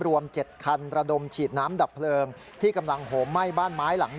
รวม๗คันระดมฉีดน้ำดับเพลิงที่กำลังโหมไหม้บ้านไม้หลัง๑